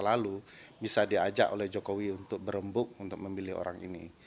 lalu bisa diajak oleh jokowi untuk berembuk untuk memilih orang ini